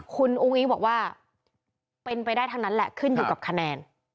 คุณอุ้งอิ๊งบอกว่าเป็นไปได้ทั้งนั้นแหละขึ้นอยู่กับคะแนน